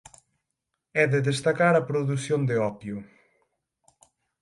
É de destacar a produción de opio.